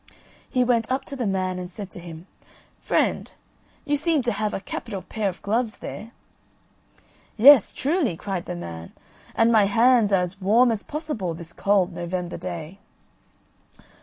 He went up to the man, and said to him, "Friend, you seem to have a capital pair of gloves there." "Yes, truly," cried the man; "and my hands are as warm as possible this cold November day."